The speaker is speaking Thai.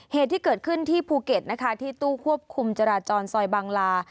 เหตุที่เกิดขึ้นที่ภูเก็ตนะคะที่ตู้ควบคุมจราจรซอยบางลา